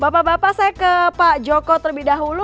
bapak bapak saya ke pak joko terlebih dahulu